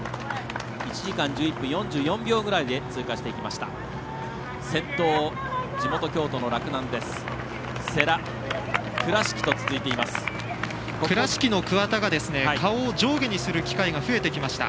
１時間１１分４４秒ぐらいで通過していきました。